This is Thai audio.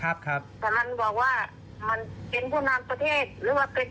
มันแบบว่ามันไม่รู้แรงว่าจะไปทำร้ายใครนะ